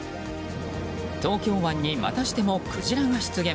東京湾にまたしてもクジラが出現。